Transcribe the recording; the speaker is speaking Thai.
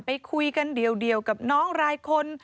ไปคุยกันเดียวกับน้องรายคน